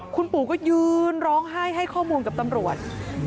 คุณปู่ก็ยืนร้องไห้ให้ข้อมูลกับตำรวจ